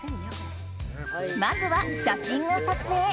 まずは写真を撮影。